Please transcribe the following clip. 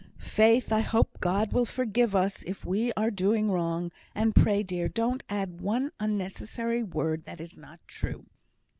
"Faith! I hope God will forgive us if we are doing wrong; and pray, dear, don't add one unnecessary word that is not true."